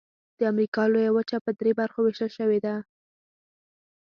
د امریکا لویه وچه په درې برخو ویشل شوې ده.